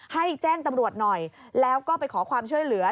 ให้แจ้งตำรวจหน่อยแล้วก็ไปขอความช่วยเหลือ